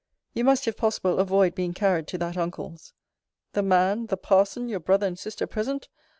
You must, if possible, avoid being carried to that uncle's. The man, the parson, your brother and sister present!